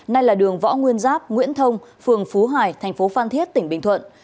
nay là đường võ nguyên giáp nguyễn thông phường phú hải tp phan thiết tỉnh bình thuận